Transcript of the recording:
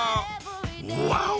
ワオ！